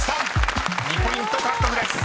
［２ポイント獲得です］